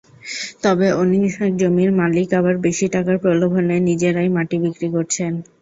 তবে অনেক জমির মালিক আবার বেশি টাকার প্রলোভনে নিজেরাই মাটি বিক্রি করছেন।